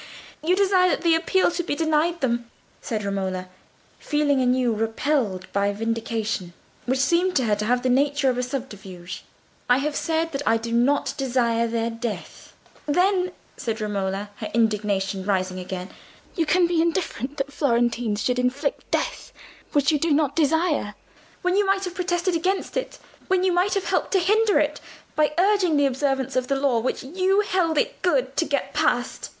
You desire that the Appeal should be denied them?" said Romola, feeling anew repelled by a vindication which seemed to her to have the nature of a subterfuge. "I have said that I do not desire their death." "Then," said Romola, her indignation rising again, "you can be indifferent that Florentines should inflict death which you do not desire, when you might have protested against it—when you might have helped to hinder it, by urging the observance of a law which you held it good to get passed.